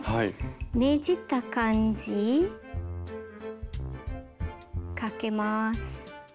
ねじった感じかけます。